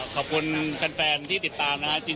ขอบคุณแฟนที่ติดตามนะครับ